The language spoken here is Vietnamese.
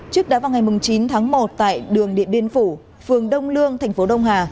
trước đó vào ngày chín tháng một tại đường điện biên phủ phường đông lương tp đông hà